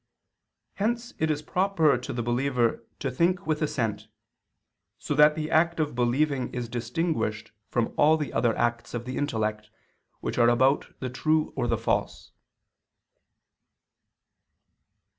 Hence it is proper to the believer to think with assent: so that the act of believing is distinguished from all the other acts of the intellect, which are about the true or the false.